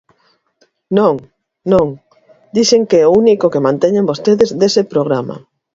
Non, non, dixen que é o único que manteñen vostedes dese programa.